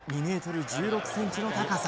これが２ｍ１６ｃｍの高さ。